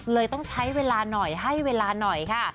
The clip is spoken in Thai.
ต้องใช้เวลาหน่อยให้เวลาหน่อยค่ะ